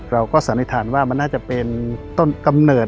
เราก็สนิทานว่ามันน่าจะเป็นต้นกำเนิด